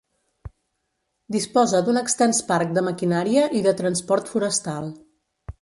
Disposa d'un extens parc de maquinària i de transport forestal.